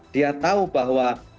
dia tahu bahwa